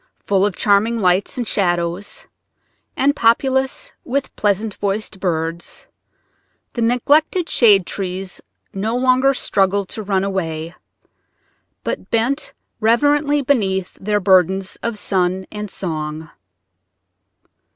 Full of charming lights and shadows and populous with pleasant voiced birds, the neglected shade trees no longer struggled to run away, but bent reverently beneath their burdens of sun and song.